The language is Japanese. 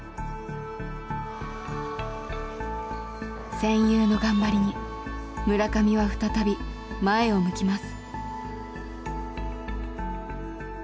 戦友の頑張りに村上は再び前を向きます。